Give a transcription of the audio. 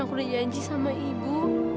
aku udah janji sama ibu